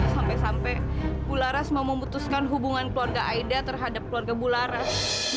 sampai sampai bu laras mau memutuskan hubungan keluarga aida terhadap keluarga bularas